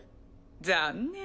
残念。